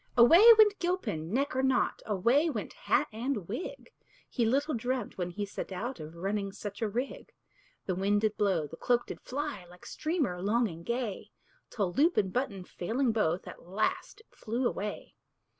Away went Gilpin, neck or nought; Away went hat and wig; He little dreamt, when he set out, Of running such a rig. The wind did blow, the cloak did fly, Like streamer long and gay, Till loop and button failing both, At last it flew away.